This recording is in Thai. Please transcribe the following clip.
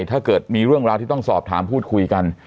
ถ้าเกิดมีเรื่องราวที่ต้องสอบถามพูดคุยกัน